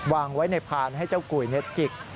วางไว้ในพานให้เจ้ากุยจิก